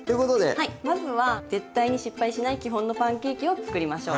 はいまずは絶対に失敗しない基本のパンケーキを作りましょう。